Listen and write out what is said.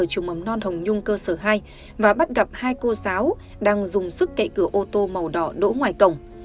con hồng nhung cơ sở hai và bắt gặp hai cô giáo đang dùng sức kệ cửa ô tô màu đỏ đỗ ngoài cổng